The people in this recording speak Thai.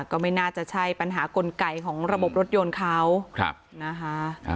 ก็ไม่น่าจะใช่ปัญหากลไกของระบบรถยนต์เขานะคะ